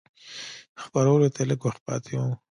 خپرولو ته یې لږ وخت پاته و.